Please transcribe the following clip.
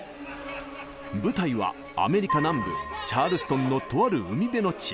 舞台はアメリカ南部チャールストンのとある海辺の地。